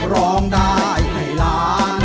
ร้องได้ให้ล้าน